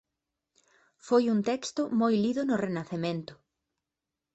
Foi un texto moi lido no Renacemento.